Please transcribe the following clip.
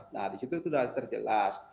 nah disitu sudah terjelas